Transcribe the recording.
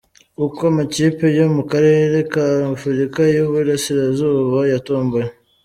Uko amakipe yo mu Karere ka Afurika y’Uburasirazuba yatomboye